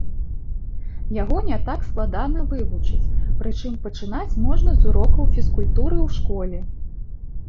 Яго не так складана вывучыць, прычым пачынаць можна з урокаў фізкультуры ў школе.